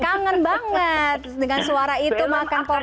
kangen banget dengan suara itu makan porsi